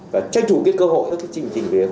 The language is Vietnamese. và tranh thủ cơ hội trong các trình hình về khối trình